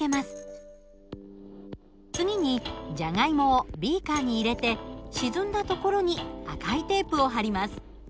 次にジャガイモをビーカーに入れて沈んだところに赤いテープを貼ります。